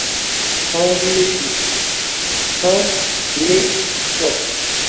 Ɔ́n né tha cɔn.